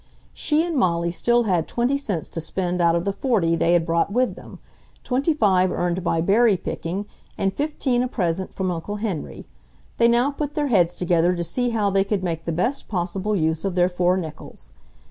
She and Molly still had twenty cents to spend out of the forty they had brought with them, twenty five earned by berry picking and fifteen a present from Uncle Henry. They now put their heads together to see how they could make the best possible use of their four nickels.